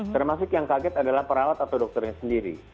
termasuk yang kaget adalah perawat atau dokternya sendiri